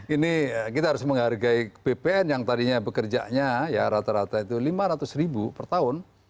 ini kita harus menghargai bpn yang tadinya bekerjanya ya rata rata itu lima ratus ribu per tahun